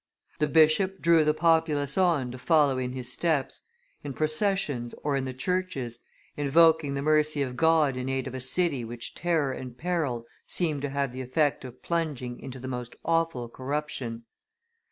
The bishop drew the populace on to follow in his steps, in processions or in the churches, invoking the mercy of God in aid of a city which terror and peril seemed to have the effect of plunging into the most awful corruption.